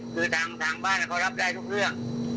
คือทางบ้านเขารับได้ทุกเรื่อง